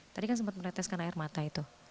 yang sempat mereteskan air mata itu